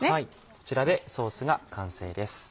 こちらでソースが完成です。